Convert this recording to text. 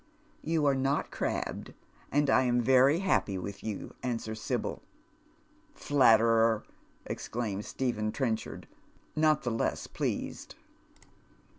" You are not crabbed, and I am very happy with you," wswers Sibyl. " Flatterer," exclaims Stephen Trenchard. not the loss pleased.